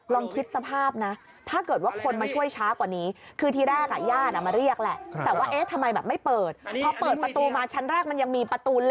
ลองคิดสภาพนะถ้าเกิดว่าคนมาช่วยช้ากว่านี้